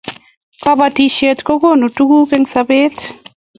kabatishiet kokonu tuguk eng sabet